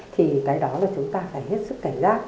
thì cái đó là chúng ta phải hết sức cảnh giác